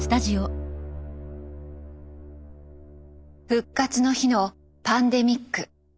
「復活の日」のパンデミック。